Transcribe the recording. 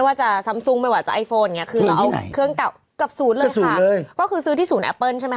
ว่าจะซ้ำซุ้งไม่ว่าจะไอโฟนอย่างเงี้คือเราเอาเครื่องเก่ากับศูนย์เลยค่ะก็คือซื้อที่ศูนย์แอปเปิ้ลใช่ไหมค